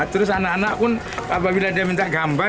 terus anak anak pun apabila dia minta gambar